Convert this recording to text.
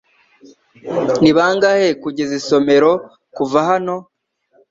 Ni bangahe kugeza isomero kuva hano?